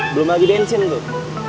belum lagi bensin tuh